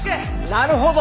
なるほど。